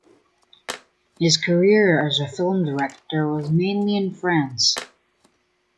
His career as a film director was mainly in France.